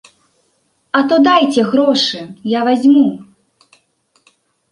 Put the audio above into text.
А то дайце грошы, я вазьму!